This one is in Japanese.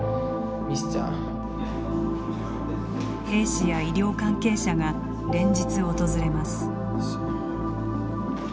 兵士や医療関係者が連日訪れます。